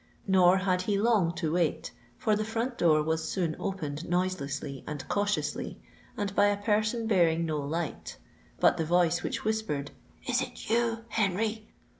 Nor had he long to wait—for the front door was soon opened noiselessly and cautiously, and by a person bearing no light: but the voice which whispered, "Is it you, Henry?"